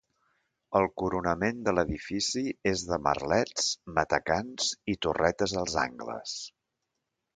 El coronament de l'edifici és de merlets, matacans i torretes als angles.